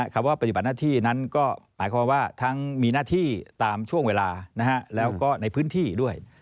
คำว่าปฏิบัติหน้าที่นั้นก็หมายความว่าทั้งมีหน้าที่ตามช่วงเวลาแล้วก็ในพื้นที่ด้วย